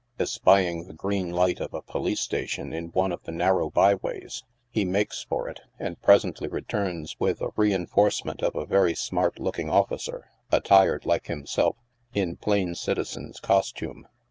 Esyping the green light of a police station in one of the narrow by ways, he makes for it, and presently returns with a reinforcement of a very smart looking officer, attired, like himself, in plain citizen's costume.